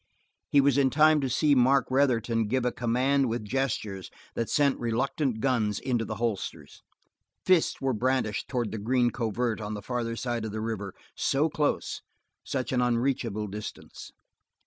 He was in time to see Mark Retherton give a command with gestures that sent reluctant guns into the holsters. Fists were brandished toward the green covert on the farther side of the river, so close, such an unreachable distance.